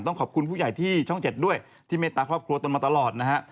ขอบคุณผู้ใหญ่ที่ช่อง๗ด้วยที่เมตตาครอบครัวตนมาตลอดนะฮะ